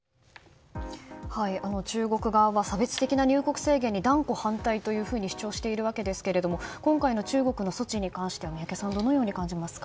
中国側は差別的な入国制限に断固反対と主張しているわけですが今回の中国の措置に関しては宮家さんどのように感じますか。